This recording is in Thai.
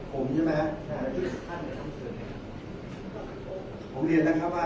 ผมถามเฉพาะคดีนี้ครับอาจที่ถึงคดีนี้ว่าเฮ้ยเมื่อผมผ่า